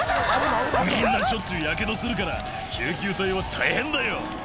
「みんなしょっちゅうやけどするから救急隊は大変だよ」